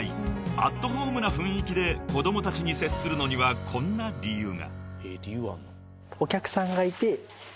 アットホームな雰囲気で子供たちに接するのにはこんな理由が］